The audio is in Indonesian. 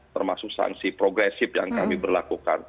termasuk sanksi progresif yang kami berlakukan